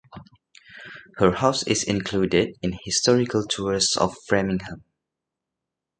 Her house is included in historical tours of Framingham.